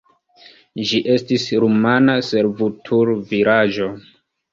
Ĝi estis rumana servutulvilaĝo.